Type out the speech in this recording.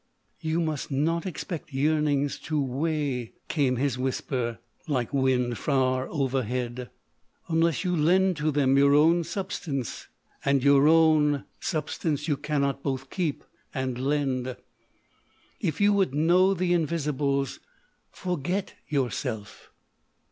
" You must not expect yearnings to weigh/' came his whisper, like wind far overhead, "unless you lend to them your own substance; and your own s r 274 THE OLD MAN OF VISIONS substance you cannot both keep and lend. If you would know the Invisibles, forget yourself.'